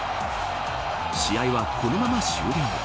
試合は、このまま終了。